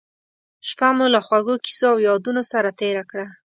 شپه مو له خوږو کیسو او یادونو سره تېره کړه.